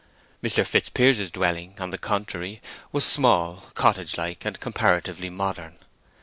Mr. Fitzpiers's dwelling, on the contrary, was small, cottage like, and comparatively modern.